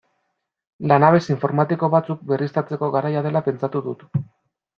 Lanabes informatiko batzuk berriztatzeko garaia dela pentsatu dut.